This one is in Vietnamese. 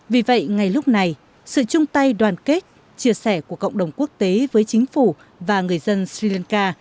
vì vậy ngay lúc này sự chung tay đoàn kết chia sẻ của cộng đồng quốc tế với chính phủ và người dân sri lanka